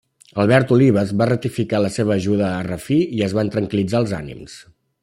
Albert Olives va ratificar la seva ajuda a Rafí i es van tranquil·litzar els ànims.